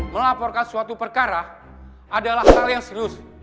melaporkan suatu perkara adalah hal yang serius